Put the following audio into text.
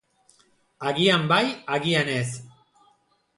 Agian bai, agian ez!